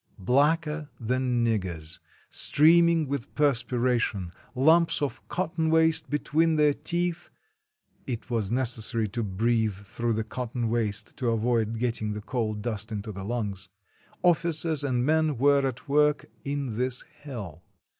Blacker than niggers, streaming with perspiration, lumps of cotton waste between their teeth (it was necessary to breathe through the cotton waste to avoid getting the coal dust into the lungs), officers and men were at work in this hell.